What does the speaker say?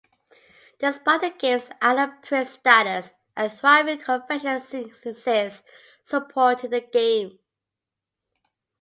Despite the game's out-of-print status, a thriving convention scene exists supporting the game.